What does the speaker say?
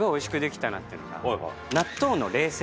なっていうのが。